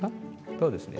そうですね。